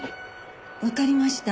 わかりました。